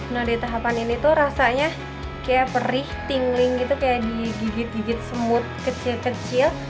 nah di tahapan ini tuh rasanya kayak perih tingling gitu kayak digigit gigit semut kecil kecil